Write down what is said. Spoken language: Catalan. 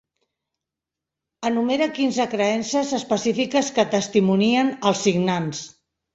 Enumera quinze creences específiques que testimonien els signants.